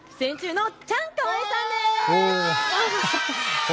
チャンカワイさんです。